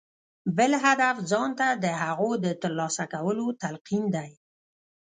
بل هدف ځان ته د هغو د ترلاسه کولو تلقين دی.